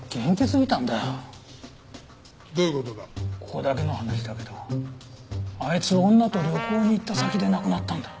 ここだけの話だけどあいつ女と旅行に行った先で亡くなったんだ。